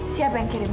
siapa yang kirim